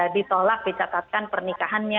ditolak dicatatkan pernikahannya